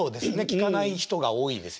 聴かない人が多いですよね。